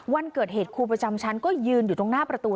วันเกิดเหตุครูประจำชั้นก็ยืนอยู่ตรงหน้าประตู